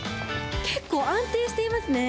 結構安定していますね。